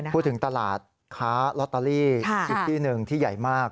พูดถึงตลาดค้าล็อตเตอรี่๒๑ที่ใหญ่มาก